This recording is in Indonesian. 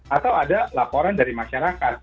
atau ada laporan dari masyarakat